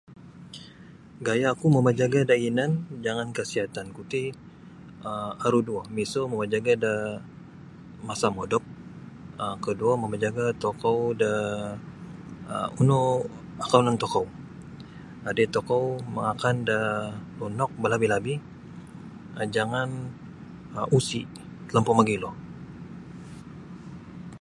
Gaya ku mamajaga da inan jangan kasiatan ku ti um aru duo miso mamajaga da masa modop um keduo mamajaga tokou da um uno akanun tokou adai tokou mangakan da lunok balabi labi jangan usi' talampau magilo.